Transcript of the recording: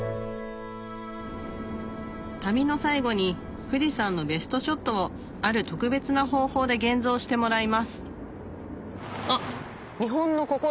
旅の最後に富士山のベストショットをある特別な方法で現像してもらいますあっ！